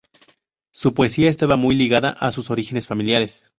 Su poesía estaba muy ligada a sus orígenes familiares.